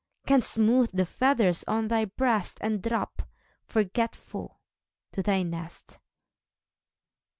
Canst smooth the feathers on thy breast, And drop, forgetful, to thy nest.